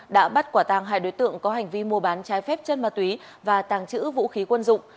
đã bắt quả tàng hai đối tượng có hành vi mua bán trái phép chân ma túy và tàng trữ vũ khí quân dụng